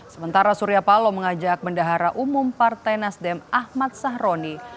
sementara surya paloh mengajak bendahara umum partai nasdem ahmad sahroni